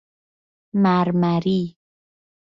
مرمری